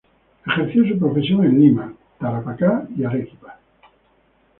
Ejerció su profesión en Lima, Tarapacá y Arequipa.